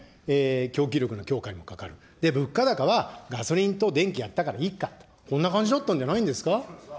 供給力の強化にかかる、で、物価高はガソリンと電気やったからいいか、こんな感じだったんじゃないですか。